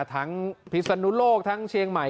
พิศนุโลกทั้งเชียงใหม่